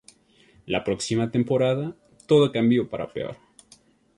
La próxima temporada todo cambio para peor.